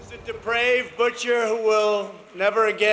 dia adalah pencuri yang berdekatan